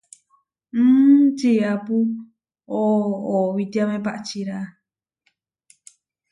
Mmm čiápu oʼowitiáme pahcirá.